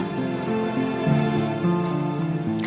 tapi papa percaya